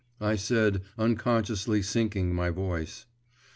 I said, unconsciously sinking my voice.